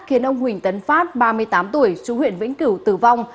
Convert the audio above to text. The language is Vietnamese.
khiến ông huỳnh tấn phát ba mươi tám tuổi chú huyện vĩnh cửu tử vong